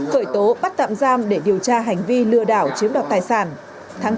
khởi tố bắt tạm giam để điều tra hành vi lừa đảo chiếm đoạt tài sản